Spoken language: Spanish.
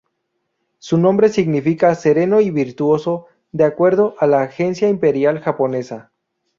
Su nombre significa ‘sereno y virtuoso’, de acuerdo a la Agencia Imperial Japonesa.